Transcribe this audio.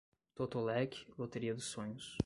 Totolec, loteria dos sonhos